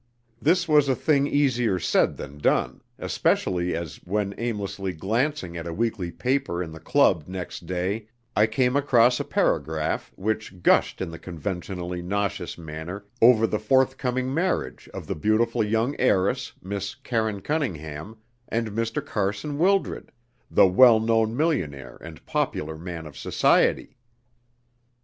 This was a thing easier said than done, especially as, when aimlessly glancing at a weekly paper in the club next day, I came across a paragraph which gushed in the conventionally nauseous manner over the forthcoming marriage of the beautiful young heiress, Miss Karine Cunningham, and Mr. Carson Wildred, the "well known millionaire and popular man of Society."